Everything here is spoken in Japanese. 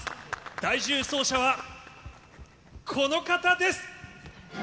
第１０走者はこの方です！